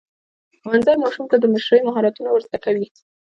ښوونځی ماشومانو ته د مشرۍ مهارتونه ورزده کوي.